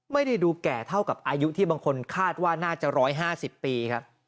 ไม่ได้ดูแก่เท่ากับอายุที่บางคนคาดว่าน่าจะ๑๕๐ปีครับ